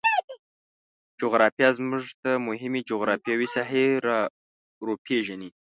جغرافیه موږ ته مهمې جغرفیاوې ساحې روپیژني